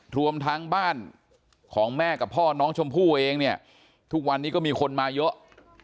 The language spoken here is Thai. รวมทั้งบ้านของแม่กับพ่อน้องชมพู่เองเนี่ยทุกวันนี้ก็มีคนมาเยอะ